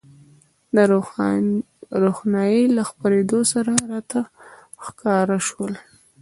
د روښنایۍ له خپرېدو سره راته ښکاره شول.